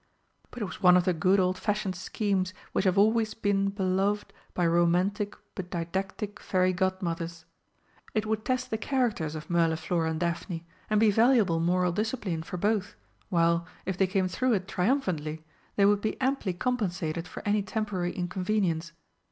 But it was one of the good old fashioned schemes which have always been beloved by romantic but didactic Fairy Godmothers. It would test the characters of Mirliflor and Daphne, and be valuable moral discipline for both, while, if they came through it triumphantly, they would be amply compensated for any temporary inconvenience.